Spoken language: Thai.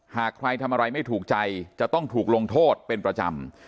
หากใครทำอะไรไม่ถูกใจจะต้องถูกลงโทษเป็นประจำ